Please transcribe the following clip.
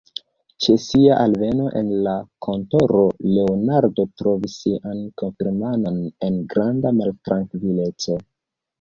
Ĉe sia alveno en la kontoro, Leonardo trovis sian kunfirmanon en granda maltrankvileco.